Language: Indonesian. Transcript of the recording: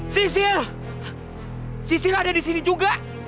sisil sisir ada di sini juga